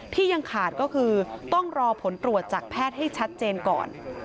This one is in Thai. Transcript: ที่ยังขาดก็คือต้องรอผลตรวจจากแพทย์ให้ชัดเจนก่อน